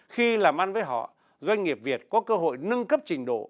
khi làm ăn với họ doanh nghiệp việt có cơ hội nâng cấp trình độ